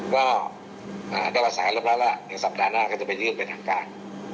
ก็ได้ประสานเรียบร้อยแล้วเดี๋ยวสัปดาห์หน้าก็จะไปยื่นเป็นทางการ